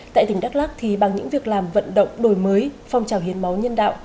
tại tỉnh đắk lắc bằng những việc làm vận động đổi mới phong trào hiến máu nhân đạo